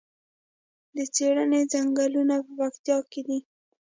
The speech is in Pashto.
د څیړۍ ځنګلونه په پکتیا کې دي؟